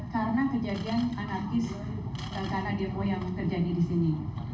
karena kejadian anakis dan anak demo yang terjadi di sini